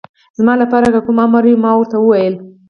زما لپاره که کوم امر وي، ما ورته وویل.